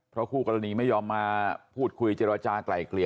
เพราะคู่กรณีไม่ยอมมาพูดคุยเจรจากลายเกลี่ย